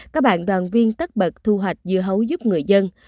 các bạn đoàn viên tất bật thu hoạch dưa hấu giúp người dân